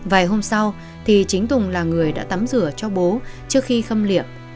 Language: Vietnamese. vài hôm sau thì chính tùng là người đã tắm rửa cho bố trước khi khâm liệm